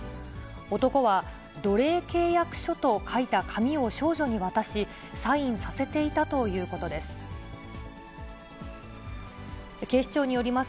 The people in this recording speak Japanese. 男は、奴隷契約書と書いた紙を少女に渡し、サインさせていたということです。